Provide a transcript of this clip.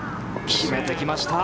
決めてきました。